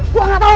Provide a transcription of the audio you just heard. gue gak tahu